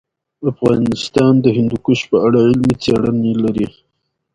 افغانستان د هندوکش په اړه علمي څېړنې لري.